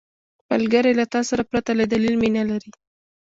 ملګری له تا سره پرته له دلیل مینه لري